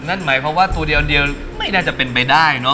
อันใหม่เพราะว่าตัวเดียวอันเดียวไม่น่าจะเป็นไปได้เนอะ